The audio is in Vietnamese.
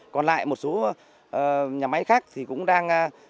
còn lại một số nhà máy khác thì cũng đang